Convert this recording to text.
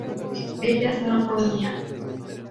ellas no comían